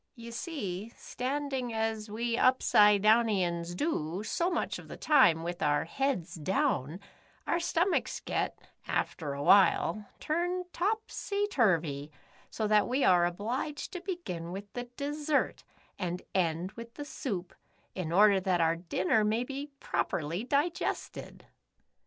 You see, standing as we Upsidedownians do, so much of the time, with our heads down, our stom achs get, after a while, turned topsy turvy, so that we are obliged to begin with the dessert, and end with the soup, in order that our dinner may be properly digested."